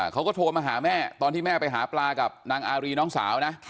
เขาก็โทรมาหาแม่ตอนที่แม่ไปหาปลากับนางอารีน้องสาวนะ